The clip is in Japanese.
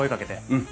うん。